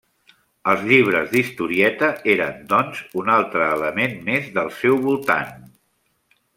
Els llibres d'historieta eren, doncs, un altre element més del seu voltant.